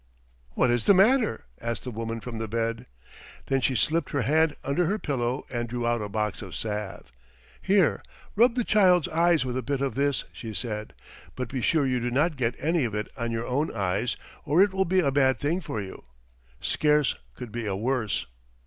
"What is the matter?" asked the woman from the bed. Then she slipped her hand under her pillow and drew out a box of salve. "Here! Rub the child's eyes with a bit of this," she said, "but be sure you do not get any of it on your own eyes, or it will be a bad thing for you, scarce could be a worse."